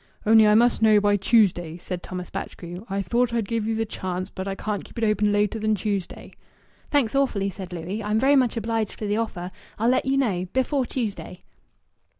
"Only I must know by Tuesday," said Thomas Batchgrew. "I thought I'd give ye th' chance, but I can't keep it open later than Tuesday." "Thanks, awfully," said Louis. "I'm very much obliged for the offer. I'll let you know before Tuesday."